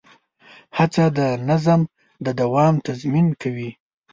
هڅه د نظم د دوام تضمین کوي.